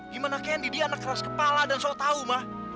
gimana keni dia anak keras kepala dan sotau ma